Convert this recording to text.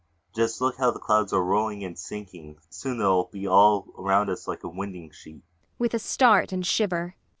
Just look how the clouds are rolling and sinking soon they'll be all around us like a winding sheet! IRENE. [With a start and shiver.